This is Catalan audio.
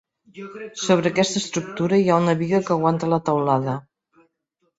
Sobre aquesta estructura hi ha una biga que aguanta la teulada.